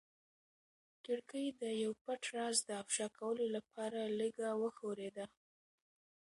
کړکۍ د یو پټ راز د افشا کولو لپاره لږه وښورېده.